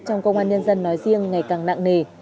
trong công an nhân dân nói riêng ngày càng nặng nề